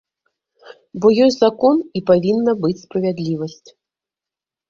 Бо ёсць закон, і павінна быць справядлівасць.